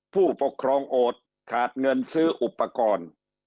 ผู้ปกครองโอดขาดเงินซื้ออุปกรณ์